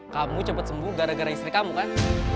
kamu cepet sembuh gara gara istri kamu kan